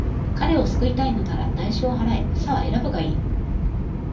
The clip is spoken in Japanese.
彼を救いたいのなら、代償を払え。さあ、選ぶがいい。